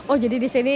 oh jadi di sini